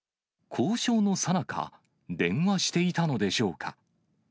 交渉のさなか、電話していたのでしょうか。